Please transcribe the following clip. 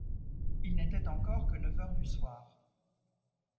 Il n’était encore que neuf heures du soir.